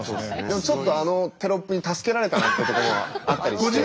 でもちょっとあのテロップに助けられたなってところはあったりして。